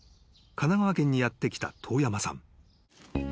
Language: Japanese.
神奈川県にやって来た遠山さん］